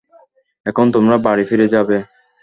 এখন তোমরা বাড়ি ফিরে যাবে।